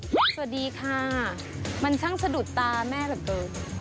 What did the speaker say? สวัสดีค่ะมันช่างสะดุดตาแม่แบบเบิก